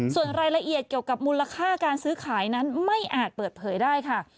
ส่วนรายละเอียดเกี่ยวกับมูลค่าการซื้อขายนั้นไม่อาจเปิดเผยได้ค่ะ